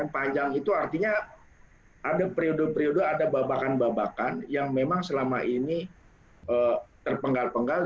panjang itu artinya ada periode periode ada babakan babakan yang memang selama ini terpenggal penggal